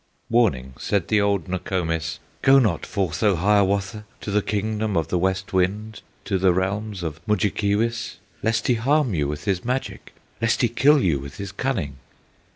Warning said the old Nokomis, "Go not forth, O Hiawatha! To the kingdom of the West Wind, To the realms of Mudjekeewis, Lest he harm you with his magic, Lest he kill you with his cunning!"